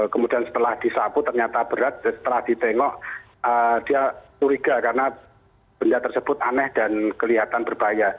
kemudian setelah disapu ternyata berat setelah ditengok dia curiga karena benda tersebut aneh dan kelihatan berbahaya